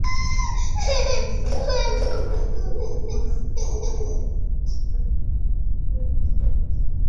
দৌড়ে বাড়ি থেকে কুড়াল এনে তিনি রাস্তার পাশের সুপারিগাছ কাটতে লাগলেন।